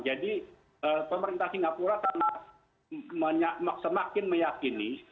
jadi pemerintah singapura semakin meyakini